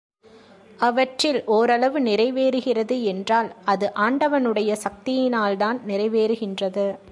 அவற்றில் ஒரளவு நிறைவேறுகிறது என்றால் அது ஆண்டவனுடைய சக்தியினால்தான் நிறைவேறுகின்றது.